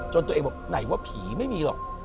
ตัวเองบอกไหนว่าผีไม่มีหรอก